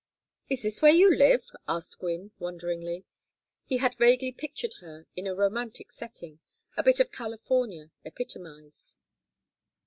"Is this where you live?" asked Gwynne, wonderingly. He had vaguely pictured her in a romantic setting, a bit of California epitomized.